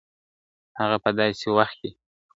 هغه په داسې وخت کې